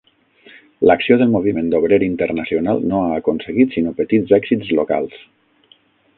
L'acció del moviment obrer internacional no ha aconseguit sinó petits èxits locals.